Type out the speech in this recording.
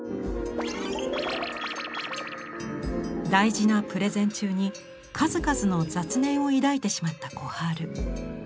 大事なプレゼン中に数々の雑念を抱いてしまった小春。